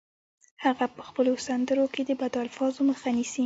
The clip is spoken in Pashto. هغه په خپلو سندرو کې د بدو الفاظو مخه نیسي